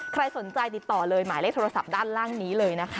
ใครสนใจติดต่อเลยหมายเลขโทรศัพท์ด้านล่างนี้เลยนะคะ